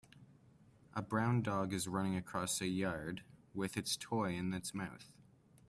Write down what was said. A brown dog is running across the yard with its toy in its mouth.